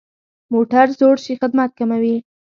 موټر زوړ شي، خدمت کموي.